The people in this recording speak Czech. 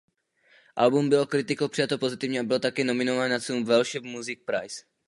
Album bylo kritikou přijato pozitivně a bylo také nominováno na cenu Welsh Music Prize.